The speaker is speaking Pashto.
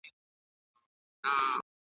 چا په ساندو چا په سرو اوښکو ژړله ,